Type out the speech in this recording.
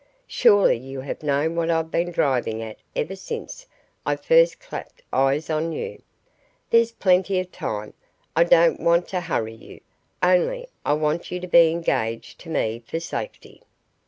"Surely you have known what I've been driving at ever since I first clapped eyes on you. There's plenty of time. I don't want to hurry you, only I want you to be engaged to me for safety."